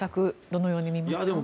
どのように見ますか。